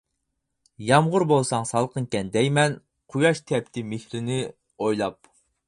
يامغۇر بولساڭ سالقىنكەن دەيمەن، قۇياش تەپتى مېھرىنى ئويلاپ.